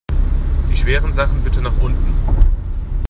Die schweren Sachen bitte nach unten!